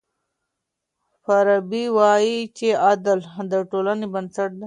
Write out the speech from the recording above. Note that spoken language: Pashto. فارابي وايي چي عدل د ټولني بنسټ دی.